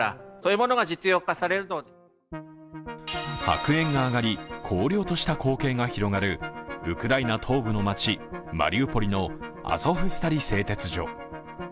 白煙が上がり、荒涼とした光景が広がるウクライナ東部の街、マリウポリのアゾフスタル製鉄所。